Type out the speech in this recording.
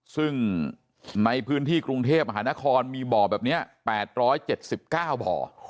ซึ่งในพื้นที่กรุงเทพมหานครมีบ่อแบบนี้๘๗๙บ่อ